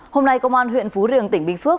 hôm nay công an huyện phú riềng tỉnh bình phước